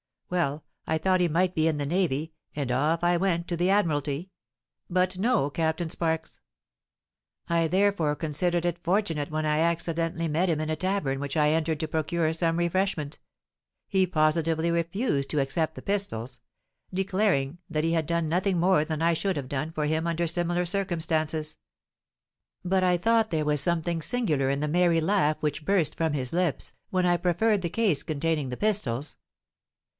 Well—I thought he might be in the Navy, and off I went to the Admiralty; but no Captain Sparks! I therefore considered it fortunate when I accidentally met him in a tavern which I entered to procure some refreshment. He positively refused to accept the pistols—declaring that he had done nothing more than I should have done for him under similar circumstances. But I thought there was something singular in the merry laugh which burst from his lips, when I proffered the case containing the pistols.